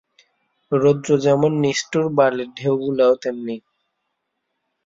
রৌদ্র যেমন নিষ্ঠুর, বালির ঢেউগুলাও তেমনি।